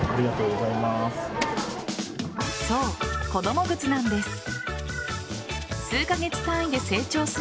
そう、子供靴なんです。